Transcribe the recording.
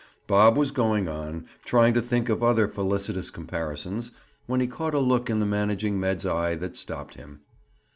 Bob was going on, trying to think of other felicitous comparisons, when he caught a look in the managing med's. eye that stopped him.